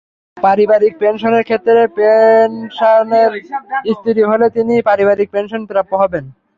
পারিবারিক পেনশনের ক্ষেত্রে পেনশনারের স্ত্রী হলে তিনি পারিবারিক পেনশন প্রাপ্য হবেন।